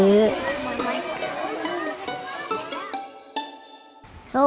พี่น้องของหนูก็ช่วยกับพี่น้องของหนู